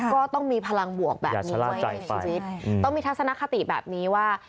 ก็ต้องมีพลังบวกแบบนี้ไว้ในชีวิตต้องมีทัศนคติแบบนี้ว่า